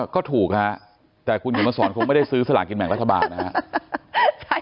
ก็ถูกฮะแต่คุณเขียนมาสอนคงไม่ได้ซื้อสลากินแบ่งรัฐบาลนะครับ